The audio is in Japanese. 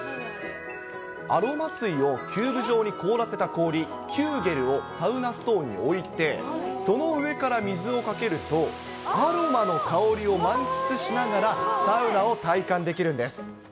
アロマ水をキューブ状に凍らせた氷、キューゲルをサウナストーンに置いて、その上から水をかけると、アロマの香りを満喫しながら、サウナを体感できるんです。